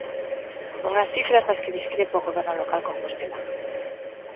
Unhas cifras das que discrepa o goberno local compostelán.